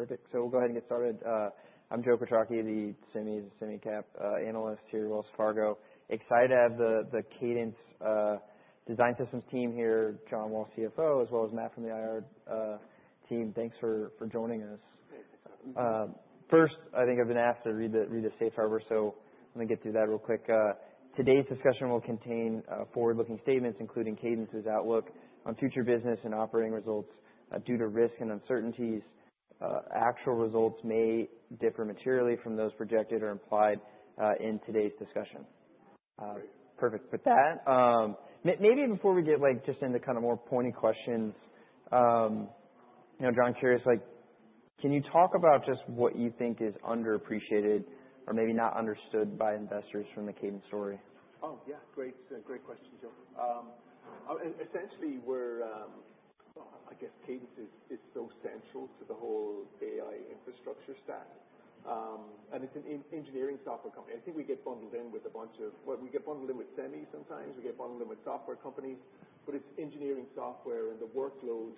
Perfect. So we'll go ahead and get started. I'm Joe Kojarki the semis semi-cap analyst here at Wells Fargo. Excited to have the Cadence Design Systems team here, John Wall, CFO, as well as Matt from the IR team. Thanks for joining us. First, I think I've been asked to read the safe harbor, so let me get through that real quick. Today's discussion will contain forward-looking statements including Cadence's outlook on future business and operating results. Due to risk and uncertainties, actual results may differ materially from those projected or implied in today's discussion. Great. Perfect. With that, maybe before we get, like, just into kinda more pointy questions, you know, John, curious, like, can you talk about just what you think is underappreciated or maybe not understood by investors from the Cadence story? Great, great question, Joe. Essentially, we're, well, I guess Cadence is so central to the whole AI infrastructure stack. And it's an engineering software company. I think we get bundled in with a bunch of well, we get bundled in with semis sometimes. We get bundled in with software companies. But it's engineering software, and the workload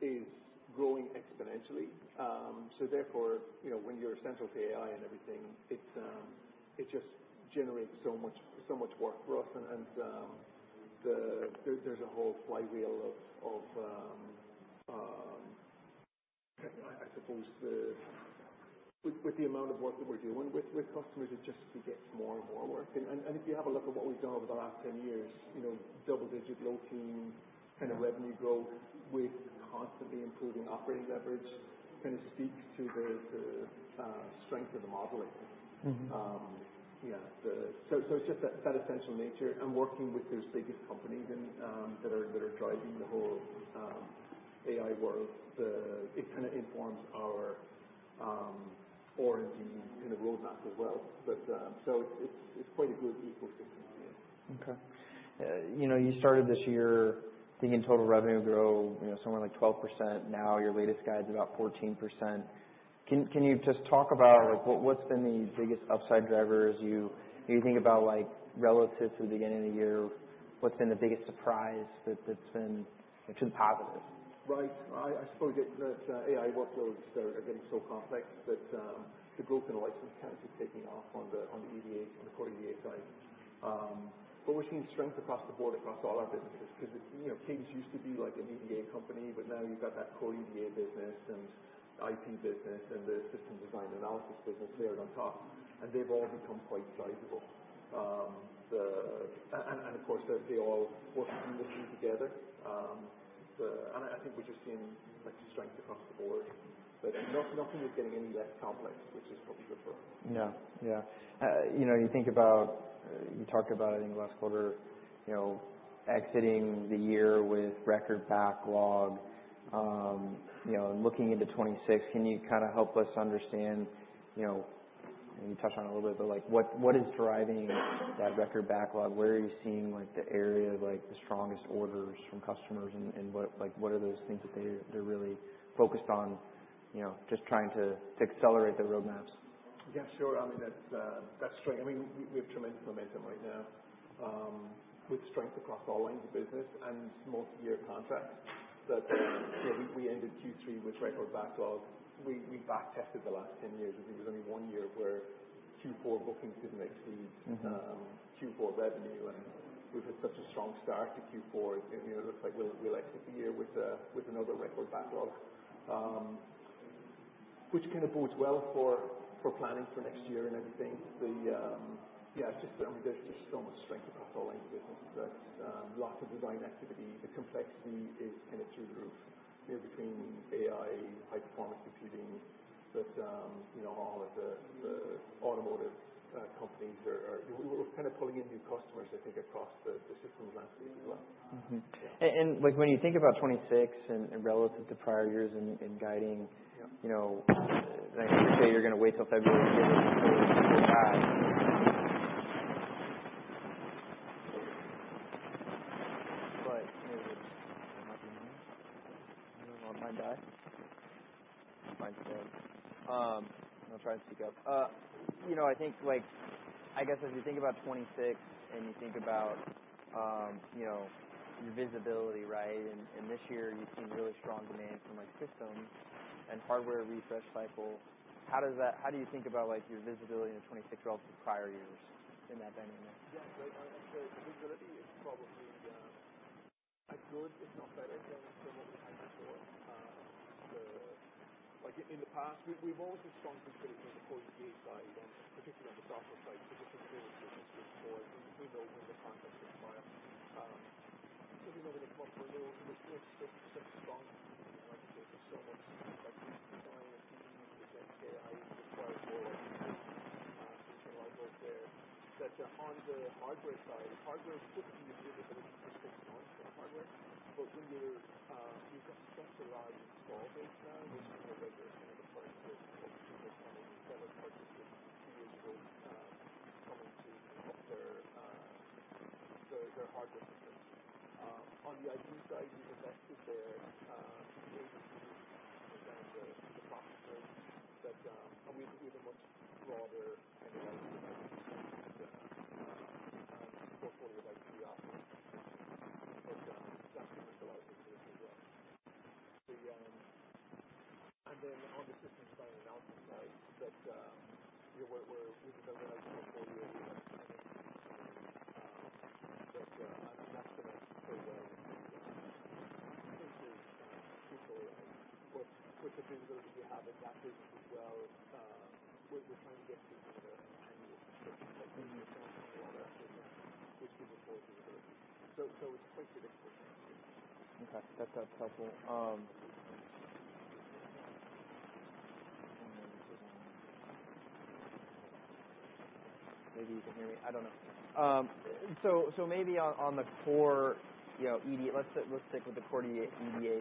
is growing exponentially. So therefore, you know, when you're central to AI and everything, it's, it just generates so much, so much work for us. And the there's a whole flywheel of, I suppose, with the amount of work that we're doing with customers, it just, it gets more and more work. If you have a look at what we've done over the last 10 years, you know, double-digit low-teens kinda revenue growth with constantly improving operating leverage kinda speaks to the strength of the model, I think. Mm-hmm. Yeah. The so, so it's just that essential nature and working with those biggest companies in that are driving the whole AI world, the it kinda informs our R&D kinda roadmap as well, but so it's, it's, it's quite a good ecosystem here. Okay. you know, you started this year thinking total revenue would grow, you know, somewhere like 12%. Now, your latest guide's about 14%. Can, can you just talk about, like, what, what's been the biggest upside driver as you, you think about, like, relative to the beginning of the year? What's been the biggest surprise that, that's been, you know, to the positive? Right. I suppose that AI workloads are getting so complex that the growth in license cap is taking off on the EDAs and the core EDA side. But we're seeing strength across the board across all our businesses 'cause it, you know, Cadence used to be like an EDA company, but now you've got that core EDA business and IP business and the system design analysis business layered on top, and they've all become quite sizable. And, of course, they all work in unison together. And I think we're just seeing, like, strength across the board. But nothing is getting any less complex, which is probably good for us. Yeah. Yeah. you know, you think about, you talked about, I think, last quarter, you know, exiting the year with record backlog, you know, and looking into '26. Can you kinda help us understand, you know, you touched on it a little bit, but, like, what, what is driving that record backlog? Where are you seeing, like, the area, like, the strongest orders from customers and, and what, like, what are those things that they're, they're really focused on, you know, just trying to, to accelerate their roadmaps? Yeah. Sure. I mean, that's strength. I mean, we have tremendous momentum right now, with strength across all lines of business and multi-year contracts. However, you know, we ended Q3 with record backlog. We backtested the last 10 years. I think it was only one year where Q4 bookings didn't exceed. Mm-hmm. Q4 revenue. We've had such a strong start to Q4. You know, it looks like we'll exit the year with another record backlog, which kinda bodes well for planning for next year and everything. The, yeah, it's just, I mean, there's so much strength across all lines of business that, lots of design activity. The complexity is kinda through the roof, you know, between AI, high-performance computing. You know, all of the automotive companies are, are you know, we're kinda pulling in new customers, I think, across the systems landscape as well. Mm-hmm. Yeah. And, like, when you think about 2026 and, and relative to prior years in, in guiding. Yeah. You know, and I hear you say you're gonna wait till February to get the guide. But, you know, it might be more. You know, it might die. It might fail. I'm not trying to speak up. You know, I think, like, I guess as you think about '26 and you think about, you know, your visibility, right, and this year you've seen really strong demand for, like, systems and hardware refresh cycles. How does that how do you think about, like, your visibility in '26 relative to prior years in that dynamic? Yeah. So I, I'd say the visibility is probably, as good, if not better, than than what we had before. the like, in, in the past, we, we've always been strong considering the core EDA side and, and particularly on the software side, particularly for the businesses before and in, in the, in the context of fire. so we know we're gonna come up with a little, a little, a little, a little, a little stronger. You know, I think there's so much effective design and computing that's gonna take AI into the fire for, like, the core systems and technological stairs that, on the hardware side, hardware is typically usually the, the, the six months for the hardware. But when you're, you've got such a large install base now, there's no way there's gonna be a firm that is, you know, that's coming in, that has purchased it two years ago, coming to, to help their, their, their hardware systems. On the IT side, we've invested there, in the software side. But, and we've, we have a much broader kinda licensing and, portfolio that we offer. But, that's been a solid investment as well. The, and then on the systems side and announcement side, that, you know, we're we've been doing it for four years. We're not expanding anything new. But, an We're trying to get through some of the, the annual, like, annual terms and all that, you know, which gives us more visibility, so it's quite significant for us. Okay. That's helpful. Maybe you can hear me. I don't know. So, so maybe on, on the core, you know, EDA, let's stick with the core EDA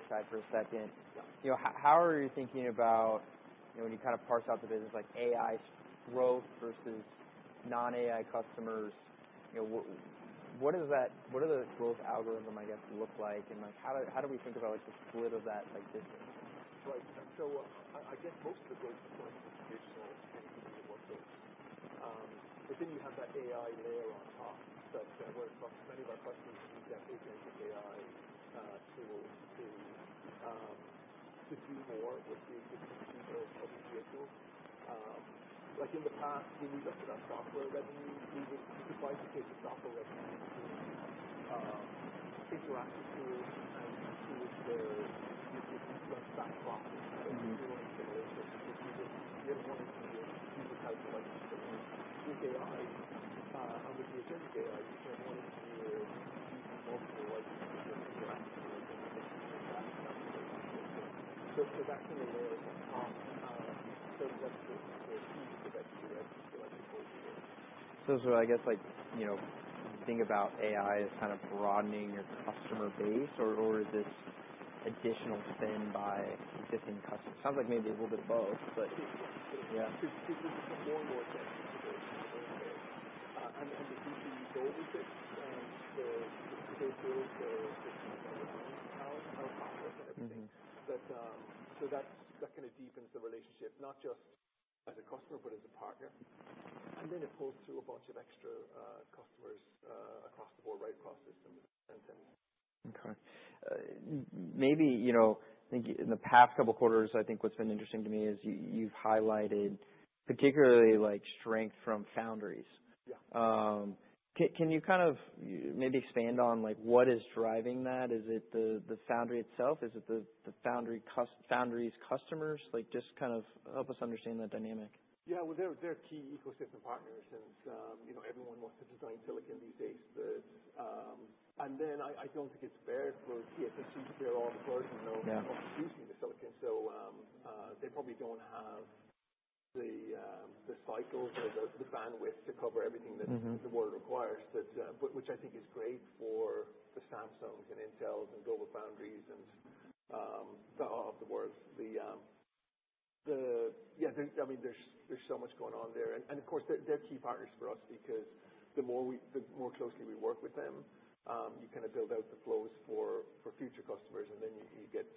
side for a second. Yeah. You know, h-how are you thinking about, you know, when you kinda parse out the business, like, AI growth versus non-AI customers? You know, w-w-what does that what does the growth algorithm, I guess, look like? And, like, how do how do we think about, like, the split of that, like, distance? Right. so, I, I guess most of the growth is going to be digital and, and remote growth. but then you have that AI layer on top. But, where it's like many of our customers are using that big negative AI, tools to, to do more with the existing computer of the vehicle. like, in the past, when we looked at our software revenue, we would we could bifurcate the software revenue between, interactive tools and tools where you, you, you run back processing. Mm-hmm. That's a real incineration because we would we had one engineer who could calculate something with AI, and with the attended AI, but we had one engineer using multiple licenses of interactive tools and everything like that. That was a very useful thing. So, so that's in a layer on top. so that's the, the key to the vegetable, I think, for, like, the core EDA. So, so I guess, like, you know, you think about AI as kinda broadening your customer base, or, or is this additional spend by existing customers? Sounds like maybe a little bit of both, but. Yeah. Yeah. 'Cause, 'cause we're becoming more and more attentive to those kinda areas. and, and the deeper you go with it, the, the, the growth, the, the, the revenue power, power profit and everything. Mm-hmm. But, so that's, that kinda deepens the relationship, not just as a customer but as a partner. And then it pulls through a bunch of extra, customers, across the board, right across systems and things. Okay. m-maybe, you know, I think in the past couple quarters, I think what's been interesting to me is you-you've highlighted particularly, like, strength from foundries. Yeah. c-can you kind of, you know, maybe expand on, like, what is driving that? Is it the, the foundry itself? Is it the, the foundry cus foundry's customers? Like, just kind of help us understand that dynamic. Yeah. Well, they're, they're key ecosystem partners since, you know, everyone wants to design silicon these days. But, and then I, I don't think it's fair for TSMC to bear all the burden of. Yeah. Of producing the silicon. So, they probably don't have the, the cycles or the, the bandwidth to cover everything that. Mm-hmm. The world requires that, but which I think is great for the Samsungs and Intels and Global Foundries and, the, of the world. The, the yeah. There I mean, there's, there's so much going on there. And, and of course, they're, they're key partners for us because the more we the more closely we work with them, you kinda build out the flows for, for future customers. And then you, you get,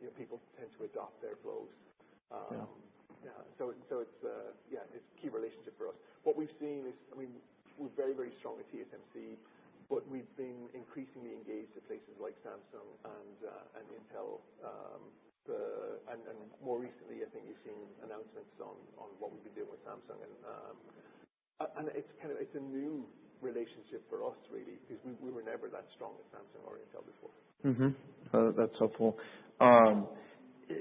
you know, people tend to adopt their flows. Yeah. Yeah. So it so it's, yeah, it's a key relationship for us. What we've seen is, I mean, we're very, very strong with TSMC, but we've been increasingly engaged at places like Samsung and, and Intel. the and, and more recently, I think you've seen announcements on, on what we've been doing with Samsung and, and it's kinda it's a new relationship for us, really, 'cause we, we were never that strong with Samsung or Intel before. Mm-hmm. that's helpful.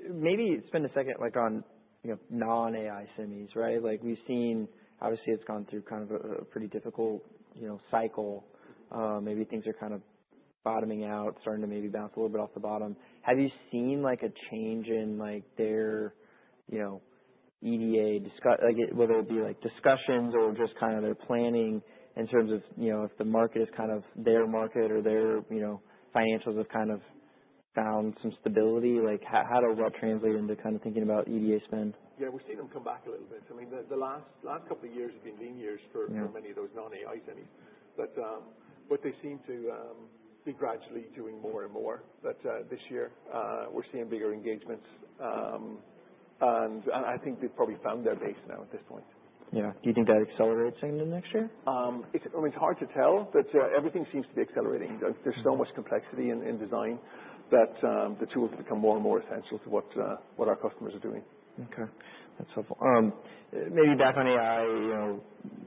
maybe spend a second, like, on, you know, non-AI semis, right? Like, we've seen obviously, it's gone through kind of a, a pretty difficult, you know, cycle. maybe things are kinda bottoming out, starting to maybe bounce a little bit off the bottom. Have you seen, like, a change in, like, their, you know, EDA discuss like, it will there be, like, discussions or just kinda their planning in terms of, you know, if the market is kind of their market or their, you know, financials have kind of found some stability? Like, ho-how does that translate into kinda thinking about EDA spend? Yeah. We've seen them come back a little bit. I mean, the, the last, last couple of years have been lean years for. Yeah. For many of those non-AI semis. But, but they seem to, be gradually doing more and more. But, this year, we're seeing bigger engagements. and, and I think they've probably found their base now at this point. Yeah. Do you think that accelerates into next year? it's I mean, it's hard to tell, but, everything seems to be accelerating. there's so much complexity in, in design that, the tools become more and more essential to what, what our customers are doing. Okay. That's helpful. maybe back on AI, you know,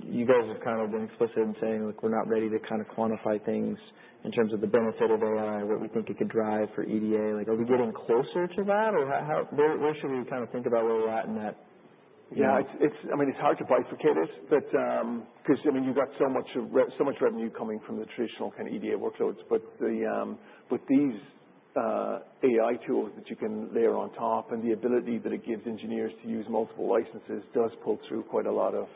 you guys have kinda been explicit in saying, like, we're not ready to kinda quantify things in terms of the benefit of AI, what we think it could drive for EDA. Like, are we getting closer to that, or ho-how where, where should we kinda think about where we're at in that? Yeah. It's, it's I mean, it's hard to bifurcate it, but, 'cause, I mean, you've got so much re so much revenue coming from the traditional kinda EDA workloads. But the, but these, AI tools that you can layer on top and the ability that it gives engineers to use multiple licenses does pull through quite a lot of,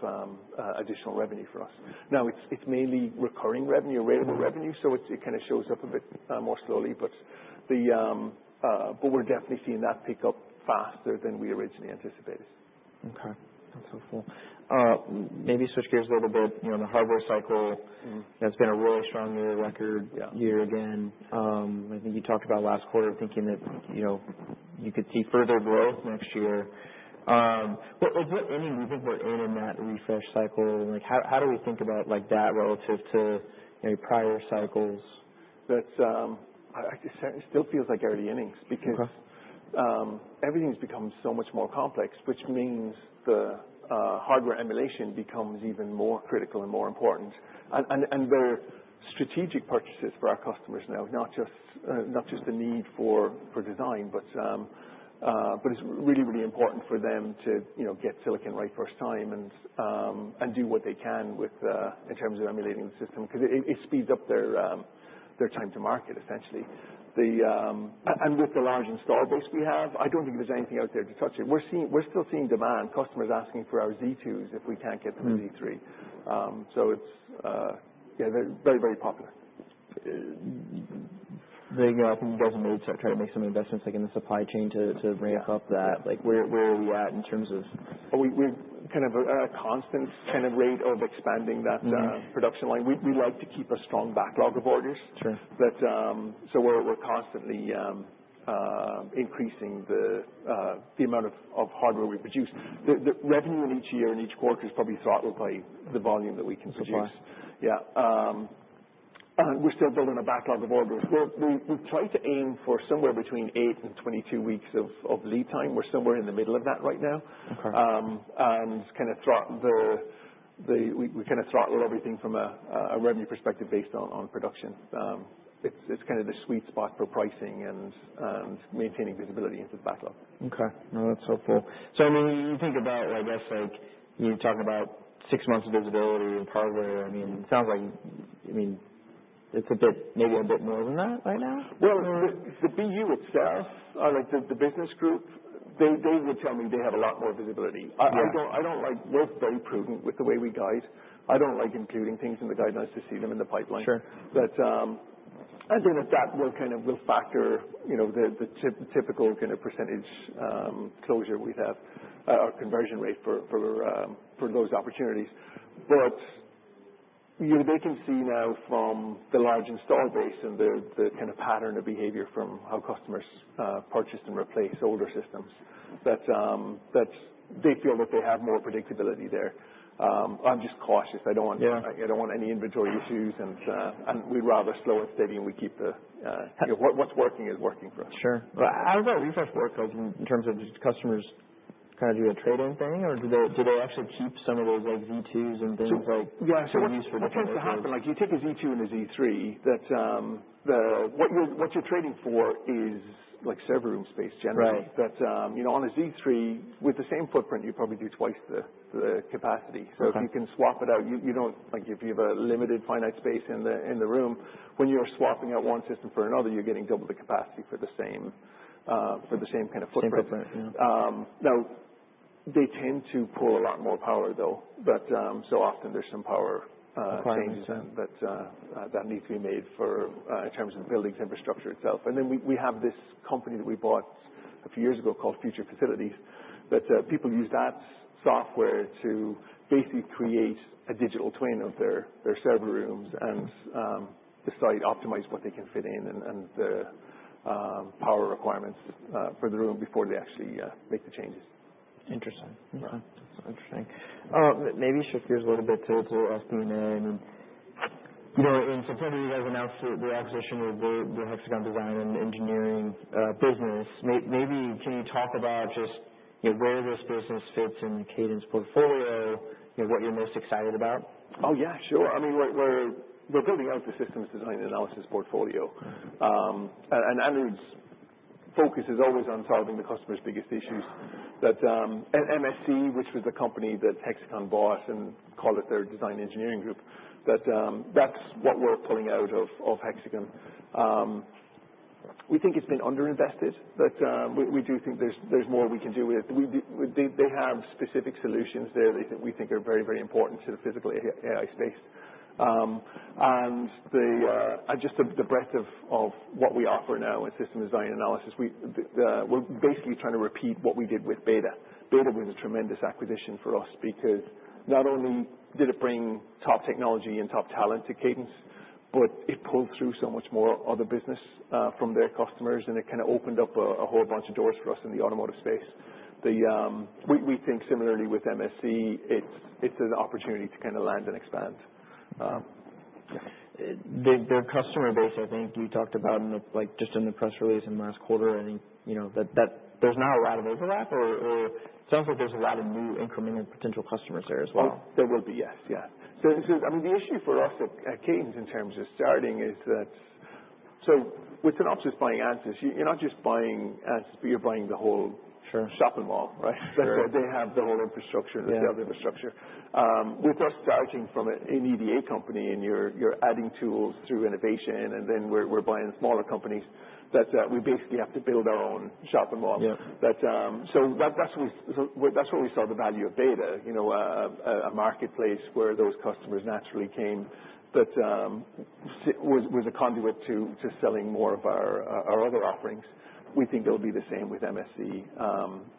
additional revenue for us. Now, it's, it's mainly recurring revenue or rateable revenue, so it, it kinda shows up a bit, more slowly. But the, but we're definitely seeing that pick up faster than we originally anticipated. Okay. That's helpful. m-maybe switch gears a little bit. You know, the hardware cycle. Mm-hmm. Has been a really strong year-record. Yeah. Year again. I think you talked about last quarter thinking that, you know, you could see further growth next year. what, what, what any movement we're in in that refresh cycle? Like, how, how do we think about, like, that relative to, you know, prior cycles? That's, I, I just sa it still feels like early innings because. Okay. everything's become so much more complex, which means the, hardware emulation becomes even more critical and more important. And, and, and there are strategic purchases for our customers now, not just, not just the need for, for design, but, but it's really, really important for them to, you know, get silicon right first time and, and do what they can with, in terms of emulating the system 'cause it, it, it speeds up their, their time to market, essentially. The, a-and with the large install base we have, I don't think there's anything out there to touch it. We're seeing we're still seeing demand. Customers asking for our Z2s if we can't get them in Z3. so it's, yeah, they're very, very popular. the, you know, I think you guys have made try to make some investments, like, in the supply chain to, to ramp up that. Yeah. Like, where, where are we at in terms of? We, we're kind of a, a constant kind of rate of expanding that, Mm-hmm. Production line. We, we like to keep a strong backlog of orders. Sure. But, so we're, we're constantly, increasing the, the amount of, of hardware we produce. The, the revenue in each year and each quarter is probably throttled by the volume that we can produce. That's fine. Yeah. and we're still building a backlog of orders. We're, we're, we've tried to aim for somewhere between 8 and 22 weeks of, of lead time. We're somewhere in the middle of that right now. Okay. and it's kinda throttled the, the we, we kinda throttle everything from a, a, a revenue perspective based on, on production. it's, it's kinda the sweet spot for pricing and, and maintaining visibility into the backlog. Okay. No, that's helpful. So I mean, when you think about, I guess, like, you talk about six months of visibility in hardware. I mean, it sounds like, I mean, it's a bit maybe a bit more than that right now? Well, the, the BU itself, like the, the business group, they, they would tell me they have a lot more visibility. I, I don't. Okay. I don't like we're very prudent with the way we guide. I don't like including things in the guidelines to see them in the pipeline. Sure. But, and then if that will kinda will factor, you know, the typical kinda percentage closure we have, or conversion rate for those opportunities. But, you know, they can see now from the large install base and the kinda pattern of behavior from how customers purchase and replace older systems that they feel that they have more predictability there. I'm just cautious. I don't want. Yeah. I, I don't want any inventory issues. And, and we'd rather slow and steady, and we keep the, you know, what, what's working is working for us. Sure. But how does that refresh work, like, in terms of just customers kinda do a trade-in thing, or do they do they actually keep some of those, like, Z2s and things like. So, yeah. For use for different. What tends to happen, like, you take a Z2 and a Z3. That, the what you're what you're trading for is, like, server room space generally. Right. But, you know, on a Z3, with the same footprint, you probably do twice the, the capacity. Okay. If you can swap it out, you don't like, if you have a limited finite space in the room, when you're swapping out one system for another, you're getting double the capacity for the same, for the same kinda footprint. Same footprint. Yeah. now, they tend to pull a lot more power, though, but so often, there's some power, Requirements then. Changes that need to be made for, in terms of the building's infrastructure itself. Then we have this company that we bought a few years ago called Future Facilities that, people use that software to basically create a digital twin of their server rooms and, decide optimize what they can fit in and the, power requirements, for the room before they actually, make the changes. Interesting. Okay. Yeah. That's interesting. maybe shift gears a little bit to, to SDNA. I mean, you know, in September, you guys announced the, the acquisition of the, the Hexagon Design and Engineering, Business. May-maybe can you talk about just, you know, where this business fits in the Cadence portfolio, you know, what you're most excited about? Yeah. Sure. I mean, we're building out the systems design analysis portfolio, and Anirudh's focus is always on solving the customer's biggest issues. At MSC, which was the company that Hexagon bought and called it their design engineering group, that's what we're pulling out of Hexagon. We think it's been underinvested, but we do think there's more we can do with it. They have specific solutions there we think are very important to the physical AI space, and just the breadth of what we offer now in system design analysis, we're basically trying to repeat what we did with Beta. Beta was a tremendous acquisition for us because not only did it bring top technology and top talent to Cadence, but it pulled through so much more other business, from their customers, and it kinda opened up a, a whole bunch of doors for us in the automotive space. The, we, we think similarly with MSC. It's, it's an opportunity to kinda land and expand. yeah. The, their customer base, I think you talked about in the like, just in the press release in last quarter, I think, you know, that, that there's not a lot of overlap or, or it sounds like there's a lot of new incremental potential customers there as well. There will be. Yes. Yeah. So this is I mean, the issue for us at, at Cadence in terms of starting is that so with Synopsys buying Ansys, you're, you're not just buying Ansys, but you're buying the whole. Sure. Shop and mall, right? That's right. So they have the whole infrastructure. Yeah. The sales infrastructure. with us starting from a, an EDA company and you're, you're adding tools through innovation, and then we're, we're buying smaller companies, that, we basically have to build our own shop and mall. Yeah. But, so that-that's what we so that's where we saw the value of Beta, you know, a, a marketplace where those customers naturally came. But, so was, was a conduit to, to selling more of our, our other offerings. We think it'll be the same with MSC.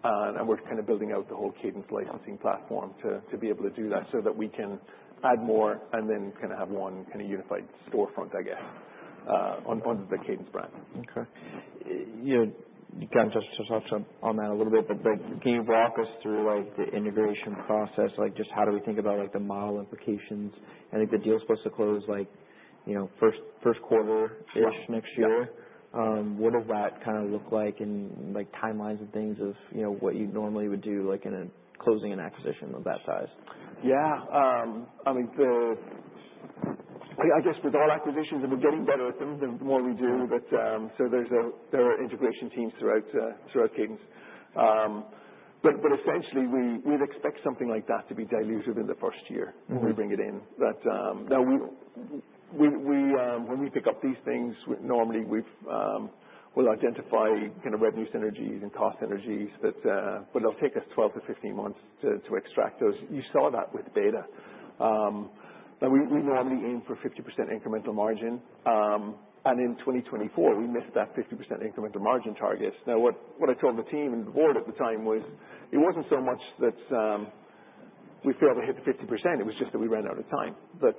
and, and we're kinda building out the whole Cadence licensing platform to, to be able to do that so that we can add more and then kinda have one kinda unified storefront, I guess, on, on the Cadence brand. Okay. You know, you kinda touched on, on that a little bit, but, like, can you walk us through, like, the integration process? Like, just how do we think about, like, the model implications? I think the deal's supposed to close, like, you know, first, first quarter-ish next year. Yeah. what does that kinda look like in, like, timelines and things of, you know, what you normally would do, like, in a closing an acquisition of that size? Yeah. I mean, the I, I guess with all acquisitions, and we're getting better at them, the more we do, but, so there's a there are integration teams throughout, throughout Cadence. but, but essentially, we, we'd expect something like that to be diluted in the first year. Mm-hmm. When we bring it in. But, now, we, we, we, when we pick up these things, we normally we've, we'll identify kinda revenue synergies and cost synergies. But, but it'll take us 12 to 15 months to, to extract those. You saw that with Beta. now, we, we normally aim for 50% incremental margin. and in 2024, we missed that 50% incremental margin target. Now, what, what I told the team and the board at the time was it wasn't so much that, we failed to hit the 50%. It was just that we ran out of time. But,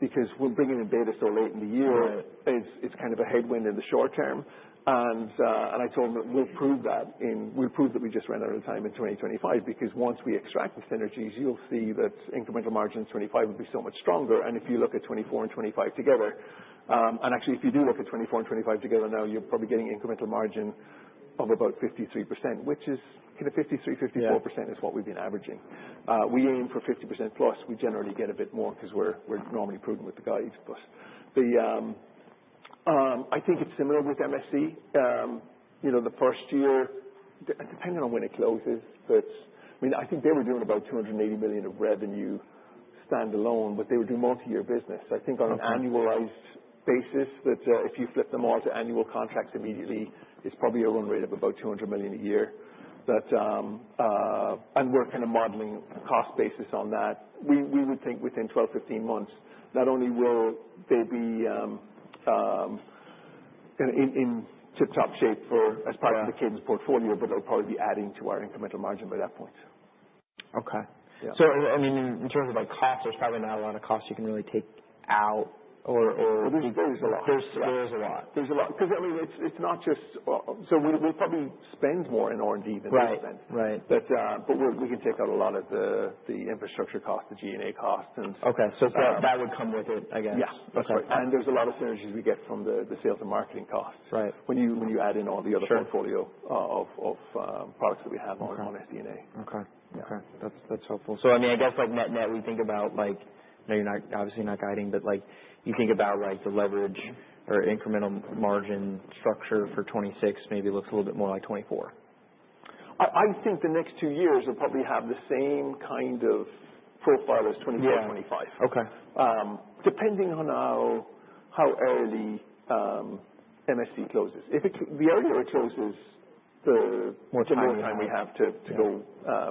because we're bringing in Beta so late in the year. Right. It's, it's kind of a headwind in the short term. And, and I told them that we'll prove that in we'll prove that we just ran out of time in 2025 because once we extract the synergies, you'll see that incremental margin in 2025 will be so much stronger. And if you look at 2024 and 2025 together, and actually, if you do look at 2024 and 2025 together now, you're probably getting incremental margin of about 53%, which is kinda 53, 54%. Yeah. Is what we've been averaging. we aim for 50% plus. We generally get a bit more 'cause we're, we're normally prudent with the guide. But the, I think it's similar with MSC. you know, the first year, depending on when it closes, but I mean, I think they were doing about 280 million of revenue standalone, but they were doing multi-year business. I think on an. Okay. Annualized basis that, if you flip them all to annual contracts immediately, it's probably a run rate of about 200 million a year. But, and we're kinda modeling a cost basis on that. We, we would think within 12, 15 months, not only will they be, kinda in, in tip-top shape for as part of the. Right. Cadence portfolio, but they'll probably be adding to our incremental margin by that point. Okay. Yeah. So, I mean, in, in terms of, like, cost, there's probably not a lot of cost you can really take out or, or. Well, there's, there's a lot. There's, there's a lot. There's a lot 'cause, I mean, it's, it's not just, so we'll, we'll probably spend more in R&D than we spent. Right. Right. But, but we're, we can take out a lot of the, the infrastructure cost, the G&A cost, and. Okay. So that, that would come with it, I guess. Yeah. Okay. And there's a lot of synergies we get from the, the sales and marketing cost. Right. When you, when you add in all the other portfolio. Sure. of, of, products that we have on, on SDNA. Okay. Okay. That's, that's helpful. So, I mean, I guess, like, net, net we think about, like, you know, you're not obviously not guiding, but, like, you think about, like, the leverage or incremental margin structure for 2026 maybe looks a little bit more like 2024. I, I think the next two years will probably have the same kind of profile as 2024. Yeah. 2025. Okay. depending on how, how early, MSC closes. If it the earlier it closes, the. More time. The more time we have to, to go,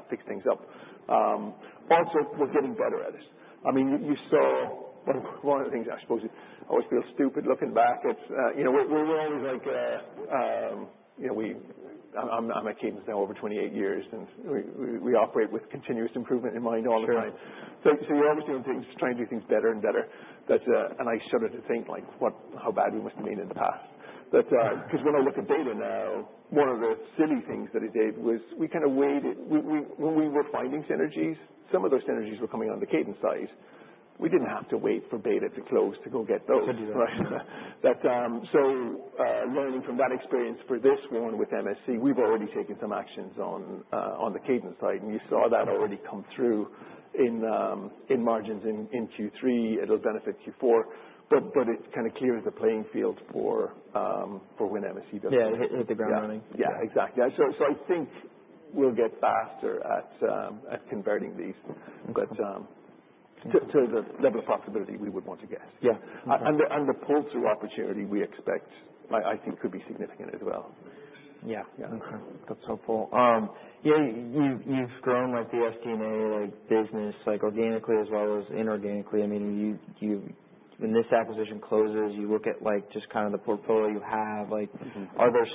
fix things up. also, we're getting better at this. I mean, you, you saw one of, one of the things I suppose is I always feel stupid looking back at, you know, we, we were always like, you know, we I'm, I'm, I'm at Cadence now over 28 years, and we, we, we operate with continuous improvement in mind all the time. Sure. So, so you're always doing things, trying to do things better and better. But, and I shudder to think, like, what how bad we must have been in the past. But, 'cause when I look at Beta now, one of the silly things that it did was we kinda waited. We, we when we were finding synergies, some of those synergies were coming on the Cadence side. We didn't have to wait for Beta to close to go get those. To do that. Right. But, so, learning from that experience for this one with MSC, we've already taken some actions on, on the Cadence side. And you saw that already come through in, in margins in, in Q3. It'll benefit Q4. But, but it kinda clears the playing field for, for when MSC does something. Yeah. Hit, hit the ground running. Yeah. Yeah. Exactly. I, so, so I think we'll get faster at, at converting these. Okay. To the level of profitability we would want to guess. Yeah. And, and the, and the pull-through opportunity we expect, I, I think could be significant as well. Yeah. Yeah. Okay. That's helpful. you know, you've grown, like, the SDNA, like, business, like, organically as well as inorganically. I mean, you when this acquisition closes, you look at, like, just kinda the portfolio you have. Like. Mm-hmm. Are there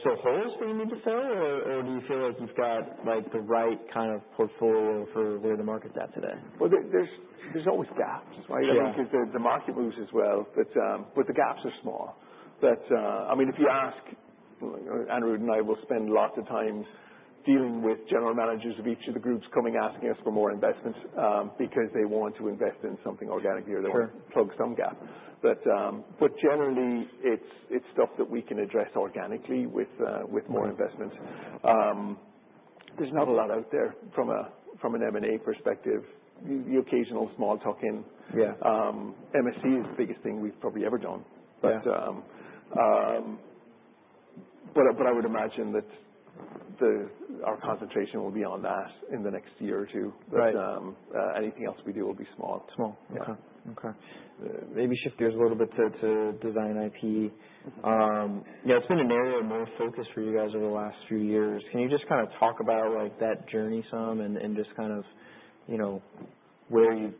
still holes that you need to fill, or do you feel like you've got, like, the right kind of portfolio for where the market's at today? Well, there, there's, there's always gaps, right? Yeah. I mean, 'cause the, the market moves as well, but, but the gaps are small. But, I mean, if you ask, Anirudh and I will spend lots of time dealing with general managers of each of the groups coming asking us for more investments, because they want to invest in something organically, or they want to. Sure. Plug some gap. Generally, it's stuff that we can address organically with more investment. There's not a lot out there from an M&A perspective. The occasional small tuck-in. Yeah. MSC is the biggest thing we've probably ever done. Yeah. I would imagine that our concentration will be on that in the next year or two. Right. But, anything else we do will be small. Small. Okay. Yeah. Okay. Maybe shift gears a little bit to design IP. Mm-hmm. you know, it's been an area of more focus for you guys over the last few years. Can you just kinda talk about, like, that journey some and, and just kind of, you know, where you've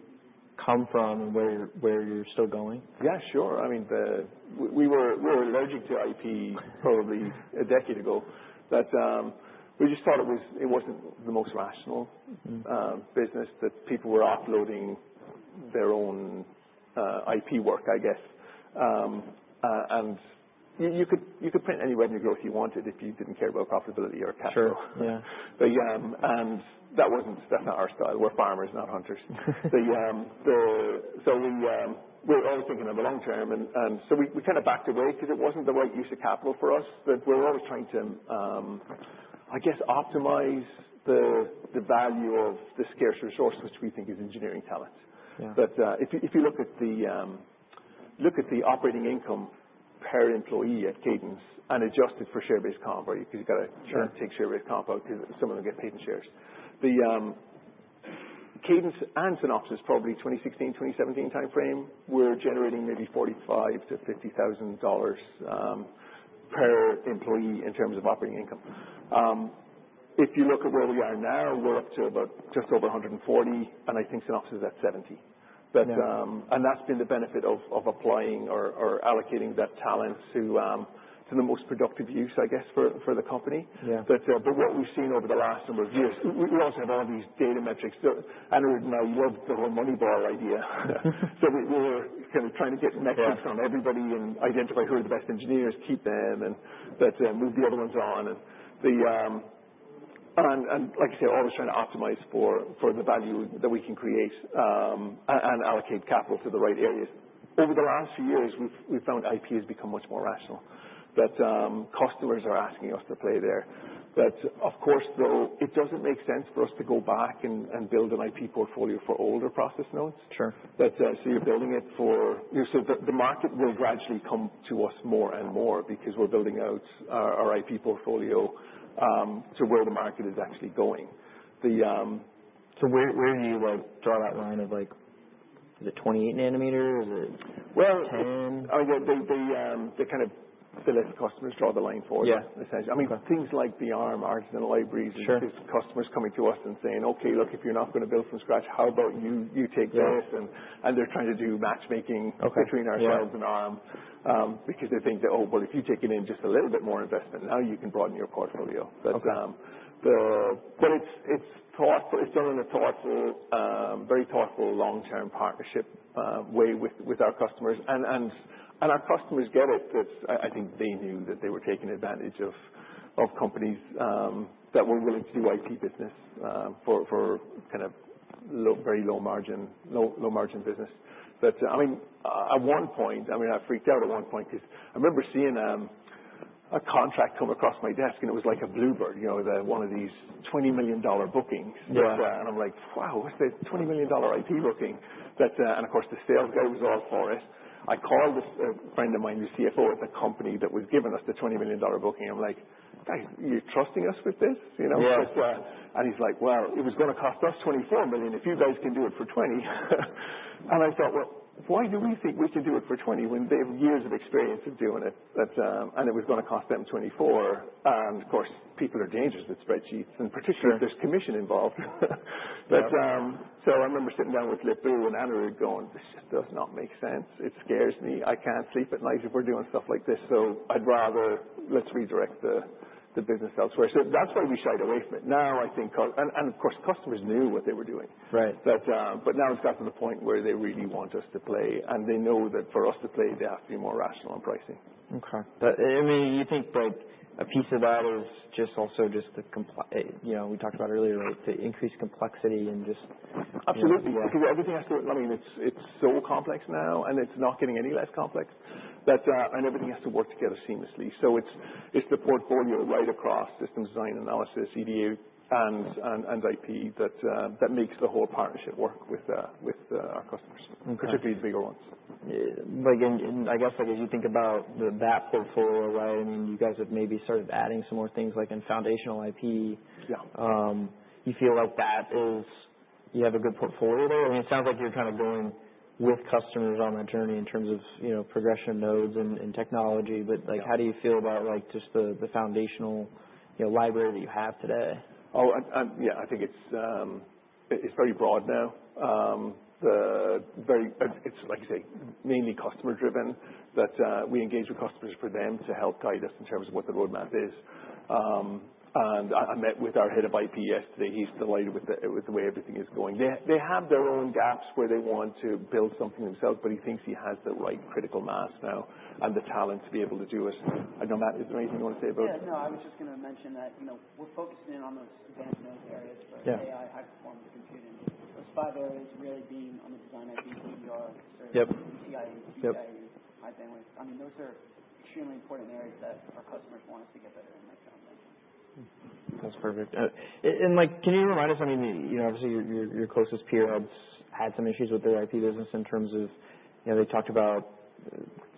come from and where you're where you're still going? Yeah. Sure. I mean, the we, we were we were allergic to IP probably a decade ago, but, we just thought it was it wasn't the most rational. Mm-hmm. business that people were offloading their own, IP work, I guess. and you, you could you could print anywhere in your growth you wanted if you didn't care about profitability or capital. Sure. Yeah. But, yeah. And that wasn't that's not our style. We're farmers, not hunters. The, the so we, we're always thinking of the long term. And, and so we, we kinda backed away 'cause it wasn't the right use of capital for us. But we're always trying to, I guess, optimize the, the value of the scarce resource, which we think is engineering talent. Yeah. But, if you if you look at the, look at the operating income per employee at Cadence and adjusted for share-based comp, or you 'cause you gotta. Sure. Take share-based comp out 'cause some of them get Cadence shares. The, Cadence and Synopsys, probably 2016, 2017 timeframe, were generating maybe 45 to 50 thousand dollars, per employee in terms of operating income. if you look at where we are now, we're up to about just over 140, and I think Synopsys is at 70. Yeah. But, and that's been the benefit of, of applying or, or allocating that talent to, to the most productive use, I guess, for, for the company. Yeah. But, but what we've seen over the last number of years, we, we also have all these data metrics. So Anirudh and I love the whole money bar idea. So we, we were kinda trying to get metrics on everybody and identify who are the best engineers, keep them, and, but, move the other ones on. And the, and, and, like I said, always trying to optimize for, for the value that we can create, and, and allocate capital to the right areas. Over the last few years, we've, we've found IP has become much more rational. But, customers are asking us to play there. But, of course, though, it doesn't make sense for us to go back and, and build an IP portfolio for older process nodes. Sure. But, so you're building it for you know, so the, the market will gradually come to us more and more because we're building out our, our IP portfolio, to where the market is actually going. The, So where, where do you, like, draw that line of, like, is it 28 nanometers? Is it 10? Well, yeah. They, they, they kind of fill it. Customers draw the line for them. Yeah. Essentially. I mean, things like the ARM, Arcs, and the libraries. Sure. And just customers coming to us and saying, "Okay. Look, if you're not gonna build from scratch, how about you, you take this?" And, and they're trying to do matchmaking. Okay. Between ourselves and ARM, because they think that, "Oh, well, if you take it in, just a little bit more investment, now you can broaden your portfolio." But, the but it's, it's thoughtful. It's done in a thoughtful, very thoughtful long-term partnership, way with, with our customers. And, and, and our customers get it that, I, I think they knew that they were taking advantage of, of companies, that were willing to do IP business, for, for kind of low very low margin, low, low margin business. But, I mean, at one point, I mean, I freaked out at one point 'cause I remember seeing, a contract come across my desk, and it was like a bluebird, you know, the one of these $20 million bookings. Yeah. And, and I'm like, "Wow, what's the $20 million IP booking?" But, and of course, the sales guy was all for it. I called a, a friend of mine, who's CFO at the company that was giving us the $20 million booking. I'm like, "Guys, you're trusting us with this?" You know. Yeah. 'Cause, and he's like, "Well, it was gonna cost us 24 million if you guys can do it for 20." And I thought, "Well, why do we think we can do it for 20 when they have years of experience of doing it?" But, and it was gonna cost them 24. And, of course, people are dangerous with spreadsheets, and particularly if there's commission involved. Sure. But, so I remember sitting down with Lip Buh and Anirudh going, "This just does not make sense. It scares me. I can't sleep at night if we're doing stuff like this. So I'd rather let's redirect the, the business elsewhere." So that's why we shied away from it. Now, I think, and, and of course, customers knew what they were doing. Right. But, but now it's gotten to the point where they really want us to play, and they know that for us to play, they have to be more rational on pricing. Okay. But, I mean, you think, like, a piece of that is just also just the compli you know, we talked about earlier, like, the increased complexity and just. Absolutely. Yeah. Because everything has to I mean, it's, it's so complex now, and it's not getting any less complex. But, and everything has to work together seamlessly. So it's, it's the portfolio right across system design, analysis, EDA, and, and, and IP that, that makes the whole partnership work with, with, our customers. Okay. Particularly the bigger ones. Yeah. But again, and I guess, like, as you think about the that portfolio, right, I mean, you guys have maybe started adding some more things, like, in foundational IP. Yeah. you feel like that is you have a good portfolio there? I mean, it sounds like you're kinda going with customers on that journey in terms of, you know, progression nodes and, and technology. But, like. Yeah. How do you feel about, like, just the, the foundational, you know, library that you have today? Oh, I, I yeah. I think it's, it's very broad now. the very it's, it's, like you say, mainly customer-driven. But, we engage with customers for them to help guide us in terms of what the road map is. and I, I met with our head of IP yesterday. He's delighted with the with the way everything is going. They, they have their own gaps where they want to build something themselves, but he thinks he has the right critical mass now and the talent to be able to do us. I don't know if there's anything you wanna say about. Yeah. No. I was just gonna mention that, you know, we're focusing in on those advanced nodes areas. Yeah. But AI, high-performance computing, those five areas really being on the design IP, CDR, and CRE. Yep. CIE, CIE. Yep. High bandwidth. I mean, those are extremely important areas that our customers want us to get better in, like John mentioned. That's perfect. And, like, can you remind us? I mean, you know, obviously, your closest peer had some issues with their IP business in terms of, you know, they talked about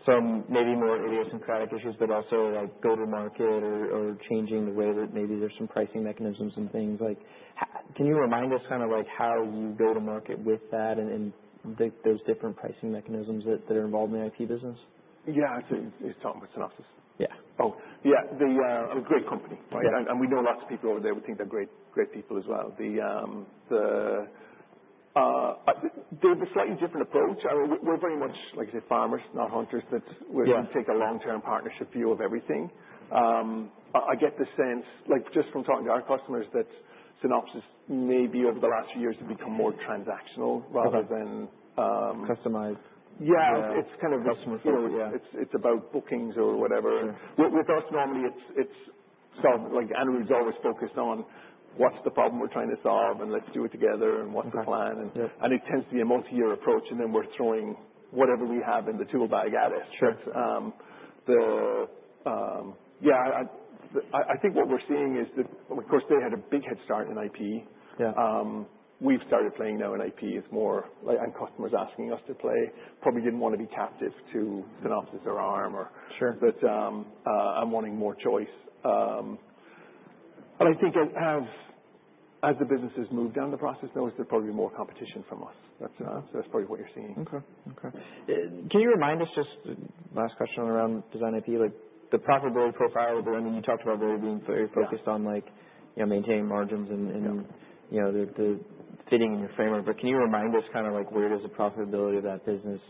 some maybe more idiosyncratic issues, but also, like, go-to-market or changing the way that maybe there's some pricing mechanisms and things. Like, can you remind us kind of, like, how you go-to-market with that and those different pricing mechanisms that are involved in the IP business? Yeah. It's Tom with Synopsys. Yeah. Oh, yeah. The, a great company, right? Yeah. And, and we know lots of people over there who think they're great, great people as well. The, the, they have a slightly different approach. I mean, we're, we're very much, like I said, farmers, not hunters, but we're. Yeah. We take a long-term partnership view of everything. I, I get the sense, like, just from talking to our customers, that Synopsys maybe over the last few years has become more transactional rather than, Customized. Yeah. It's, it's kind of. Customer-focused. You know, it's, it's about bookings or whatever. Sure. W-with us, normally, it's, it's solved. Like, Anirudh's always focused on, "What's the problem we're trying to solve, and let's do it together, and what's the plan? Yeah. It tends to be a multi-year approach, and then we're throwing whatever we have in the tool bag at it. Sure. But, the, yeah, I, I, I, I think what we're seeing is that, of course, they had a big head start in IP. Yeah. we've started playing now in IP. It's more like and customers asking us to play. Probably didn't wanna be captive to Synopsys or ARM or. Sure. But, I'm wanting more choice. but I think as, as, as the business has moved down the process nodes, there's probably more competition from us. That's, that's probably what you're seeing. Okay. Okay. Can you remind us just last question around design IP, like, the profitability profile of the I mean, you talked about there being very focused. Yeah. On, like, you know, maintaining margins and, and. Yeah. You know, the, the fitting in your framework. But can you remind us kind of, like, where does the profitability of that business,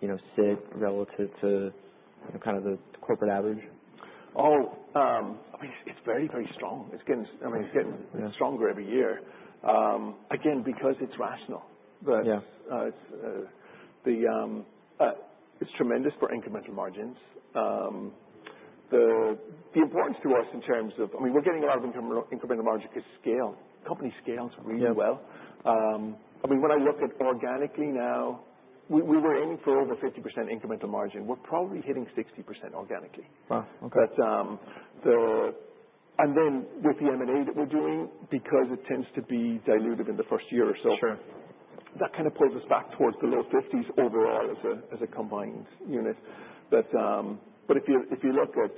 you know, sit relative to, you know, kind of the corporate average? Oh, I mean, it's, it's very, very strong. It's getting s I mean, it's getting. Yeah. Stronger every year. again, because it's rational. But. Yeah. it's, the, it's tremendous for incremental margins. the, the importance to us in terms of I mean, we're getting a lot of incremental margin 'cause scale company scales really well. Yeah. I mean, when I look at organically now, we, we were aiming for over 50% incremental margin. We're probably hitting 60% organically. Wow. Okay. But, the and then with the M&A that we're doing, because it tends to be diluted in the first year or so. Sure. That kinda pulls us back towards the low 50s overall as a as a combined unit. But, but if you if you look at,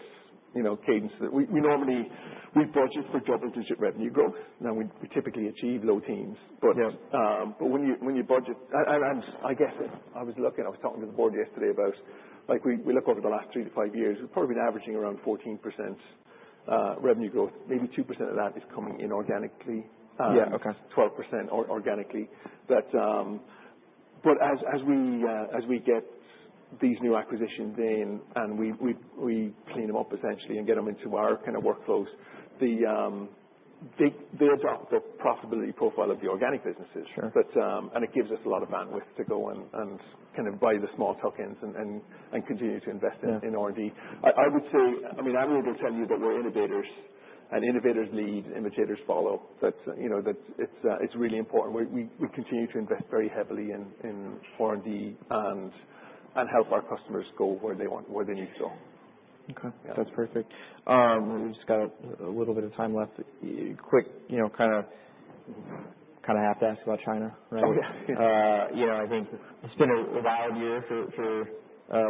you know, Cadence, we, we normally we budget for double-digit revenue growth. Now, we, we typically achieve low teams. But. Yeah. but when you when you budget and, and, and I guess I was looking I was talking to the board yesterday about, like, we, we look over the last three to five years. We've probably been averaging around 14%, revenue growth. Maybe 2% of that is coming in organically. Yeah. Okay. 12% or organically. But, but as, as we, as we get these new acquisitions in and we, we, we clean them up essentially and get them into our kinda workflows. The, they, they adopt the profitability profile of the organic businesses. Sure. But, and it gives us a lot of bandwidth to go and, and kinda buy the small tokens and, and, and continue to invest in. Yeah. In R&D. I, I would say I mean, Anirudh will tell you that we're innovators, and innovators lead, innovators follow. But, you know, that it's, it's really important. We, we, we continue to invest very heavily in, in R&D and, and help our customers go where they want where they need to go. Okay. That's perfect. we just got a, a little bit of time left. Quick, you know, kinda kinda have to ask about China, right? Oh, yeah. you know, I think it's been a, a wild year for, for,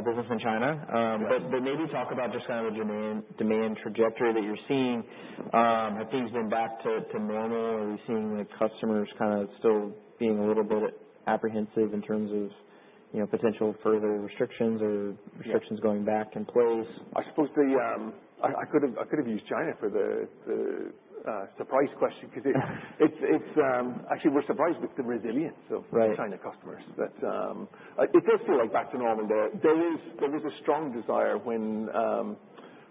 business in China. Yes. But, but maybe talk about just kinda the demand demand trajectory that you're seeing. have things been back to, to normal? Are we seeing, like, customers kinda still being a little bit apprehensive in terms of, you know, potential further restrictions or restrictions going back in place? I suppose the, I, I could have I could have used China for the, the, surprise question 'cause it's, it's, it's, actually, we're surprised with the resilience of. Right. China customers. But, it does feel like back to normal there. There was there was a strong desire when,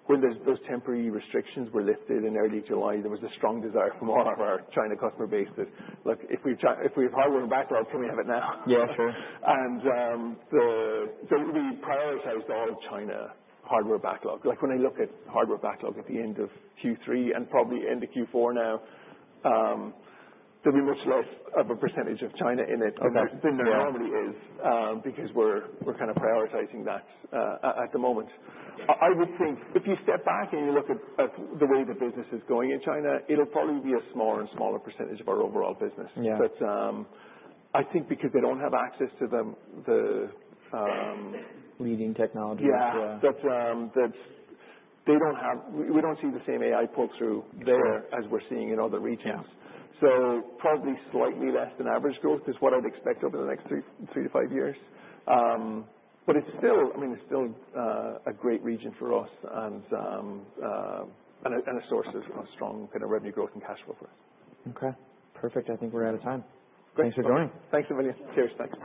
when those temporary restrictions were lifted in early July, there was a strong desire from all of our China customer base that, "Look, if we've ch if we have hardware backlog, can we have it now?" Yeah. Sure. And, the so we prioritized all of China hardware backlog. Like, when I look at hardware backlog at the end of Q3 and probably end of Q4 now, there'll be much less of a percentage of China in it. Okay. Than there normally is, because we're, we're kinda prioritizing that, at, at the moment. I, I would think if you step back and you look at, at the way the business is going in China, it'll probably be a smaller and smaller percentage of our overall business. Yeah. But, I think because they don't have access to the, the, Leading technology. Yeah. Yeah. But, that they don't have we, we don't see the same AI pull-through there. Sure. As we're seeing in other regions. Yeah. So probably slightly less than average growth is what I'd expect over the next three, three to five years. but it's still I mean, it's still, a great region for us and, and a and a source of, of strong kinda revenue growth and cash flow for us. Okay. Perfect. I think we're out of time. Great. Thanks for joining. Thanks a million. Cheers. Bye.